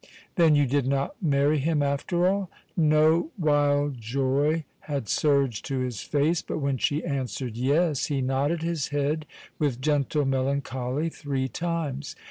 "Then you did not marry him, after all?" No wild joy had surged to his face, but when she answered yes, he nodded his head with gentle melancholy three times.